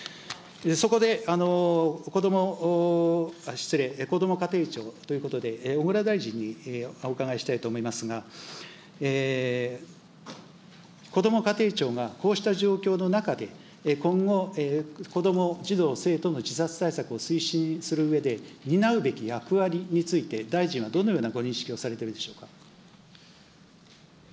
そこで子ども、失礼、こども家庭庁ということで、小倉大臣にお伺いしたいと思いますが、こども家庭庁がこうした状況の中で、今後、子ども、児童・生徒の自殺対策を推進するうえで、担うべき役割について、大臣はどのようなご認識をされているでしょうか。